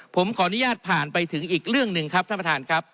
ผมขออนุญาตผ่านไปถึงอีกเรื่องหนึ่งครับท่านประธานครับ